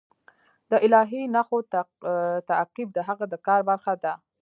د الهي نښو تعقیب د هغه د کار برخه ده.